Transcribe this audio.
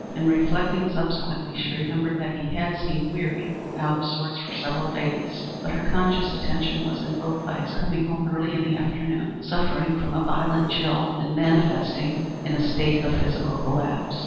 In reflecting, subsequently, she remembered that he had seemed weary and out of sorts for several days, but her conscious attention was invoked by his coming home early in the afternoon, suffering from a violent chill, and manifestly in a state of physical collapse.